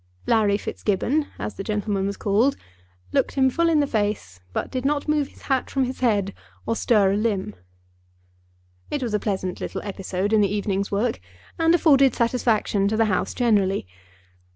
Larry Fitzgibbon, as the gentleman was called, looked him full in the face, but did not move his hat from his head or stir a limb. It was a pleasant little episode in the evening's work, and afforded satisfaction to the House generally.